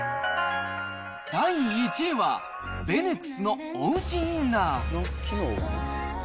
第１位は、ベネクスのおうちインナー。